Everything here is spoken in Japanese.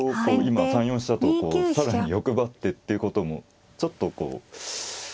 こう今３四飛車とさらに欲張ってっていうこともちょっとこう。